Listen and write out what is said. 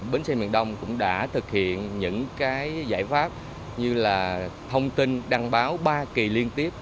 bến xe miền đông cũng đã thực hiện những cái giải pháp như là thông tin đăng báo ba kỳ liên tiếp